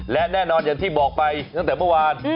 และแน่นอนอย่างที่บอกไปตั้งแต่เมื่อวาน